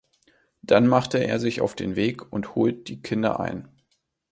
Dann macht er sich auf den Weg und holt die Kinder ein.